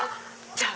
じゃあ